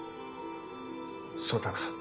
そうだな。